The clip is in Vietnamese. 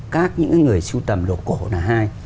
các những người sưu tầm đồ cổ là hai